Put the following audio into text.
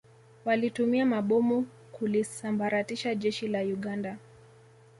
Walitumia mabomu kulisambaratisha Jeshi la Uganda